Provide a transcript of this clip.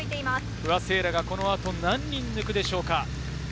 不破聖衣来がこの後、何人抜くでしょうか。